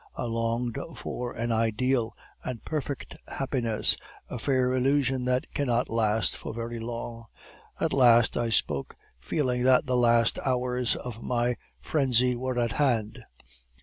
I longed for an ideal and perfect happiness, a fair illusion that cannot last for very long. At last I spoke, feeling that the last hours of my frenzy were at hand.